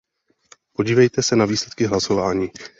Podívejte se na výsledky hlasování.